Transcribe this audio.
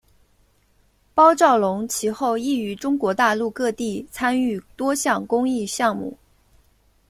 包兆龙其后亦于中国大陆各地参与多项公益项目。